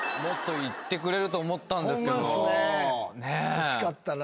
惜しかったな。